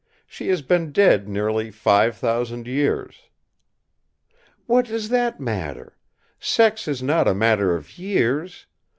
She has been dead nearly five thousand years!" "What does that matter? Sex is not a matter of years!